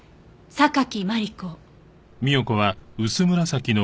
榊マリコ。